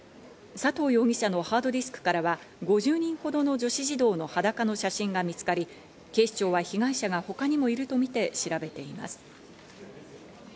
佐藤容疑者のハードディスクからは５０人ほどの女子児童の裸の写真が見つかり、警視庁は被害者が他にもいるとみて調べています。